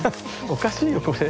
おかしいよこれ。